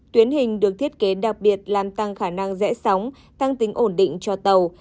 tuyến hình được thiết kế đặc biệt làm tăng khả năng rẽ sóng tăng tính ổn định cho tàu